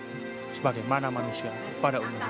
tidak memberikan stigma dan memberikan kesempatan untuk hidup